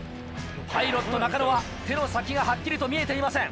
パイロット中野は手の先がはっきりと見えていません。